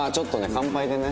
乾杯でね。